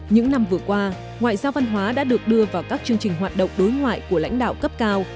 những năm vừa qua ngoại giao văn hóa đã được đưa vào các chương trình hoạt động đối ngoại của lãnh đạo cấp cao